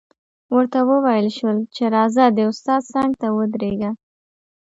ورته وویل شول چې راځه د استاد څنګ ته ودرېږه